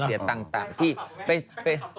ไปเสียตังค์ตาแฟนคลับไหม